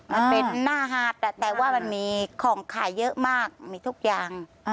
มันเป็นหน้าหาดแต่ว่ามันมีของขายเยอะมากมีทุกอย่าง